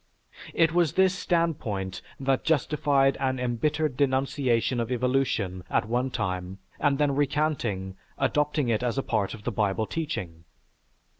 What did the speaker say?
It was this standpoint that justified an embittered denunciation of evolution at one time and then recanting, adopted it as a part of the Bible teaching.